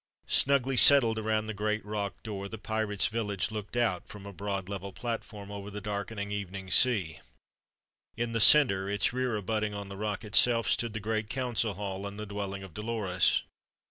Snugly settled around the great rock door, the pirates' village looked out from a broad level platform over the darkening evening sea. In the center, its rear abutting on the rock itself, stood the great council hall and the dwelling of Dolores.